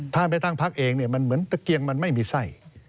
ท่านไปตั้งพักเองเนี่ยมันเหมือนตะเกียงมันไม่มีไส้